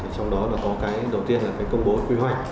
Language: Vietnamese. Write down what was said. trong đó là có cái đầu tiên là phải công bố quy hoạch